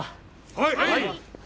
はい！